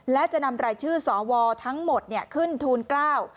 และจะนำรายชื่อสวทั้งหมดเนี่ยขึ้นทูลเกล้า